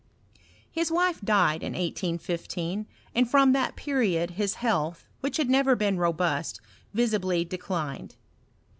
His wife died in 1815, and from that period his health, which had never been robust, visibly de clined.